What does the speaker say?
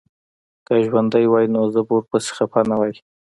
که هغه ژوندی وای نو زه به ورپسي خپه نه وای